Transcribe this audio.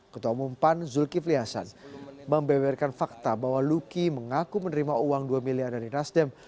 ketua umum pan zulkifli hasan membeberkan fakta bahwa luki mengaku menerima uang dua miliar dari nasdem